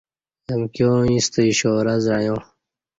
امکیاں ییںستہ اشارہ زعیاں